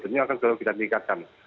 tentunya akan selalu kita meningkatkan